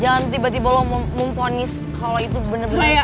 jangan tiba tiba lo memponis kalau itu beneran bunga itu ya